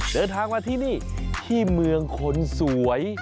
เดินทางมาที่นี่ที่เมืองคนสวย